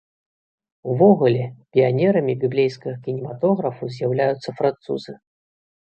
Увогуле, піянерамі біблейскага кінематографу з'яўляюцца французы.